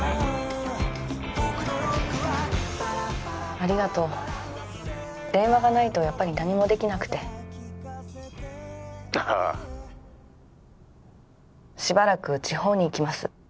ありがとう電話がないとやっぱり何もできなくて☎ああしばらく地方に行きます